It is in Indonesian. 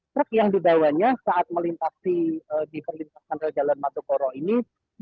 truk yang dibawanya saat melintasi di perlintasan jalan matokoro ini